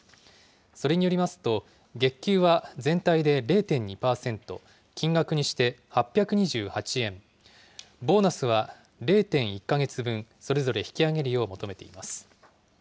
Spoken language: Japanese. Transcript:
それによりますと、月給は全体で０．２％、金額にして８２８円、ボーナスは０．１か月分、それぞれ引き上げるよう求めています。